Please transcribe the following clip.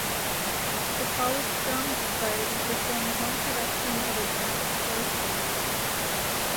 The college drama society performs one production of a dramatic play annually.